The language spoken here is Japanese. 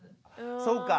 そうか。